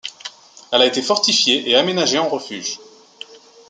Elle a été fortifiée et aménagée en refuge.